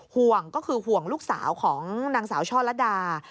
ห่วงก็คือห่วงลูกสาวของนางสาวช่อลัดดา